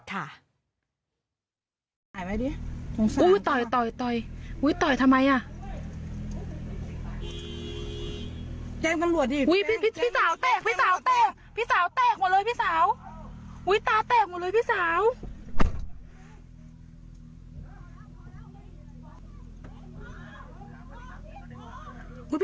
ตรงนี้ตรงไหนเนี่ยมาแจ้งเขาหน่อย